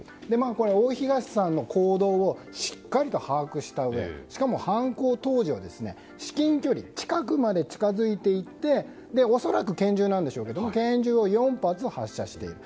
大東さんの行動をしっかり把握したうえでしかも犯行当時は至近距離近くまで近づいて行って恐らく拳銃なんでしょうけど拳銃を４発発射している。